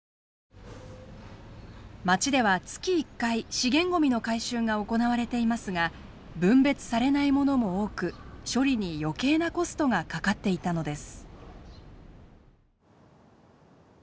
まちでは月１回資源ごみの回収が行われていますが分別されないものも多く処理に余計なコストがかかっていたのです。